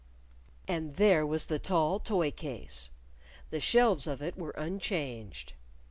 And there was the tall toy case. The shelves of it were unchanged.